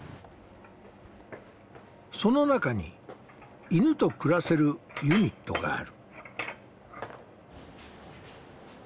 その中に犬と暮らせるユニットがある。